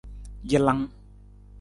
Jalang.